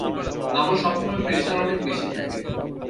আমার সবসময় প্রেসার অনেক বেশি থাকে।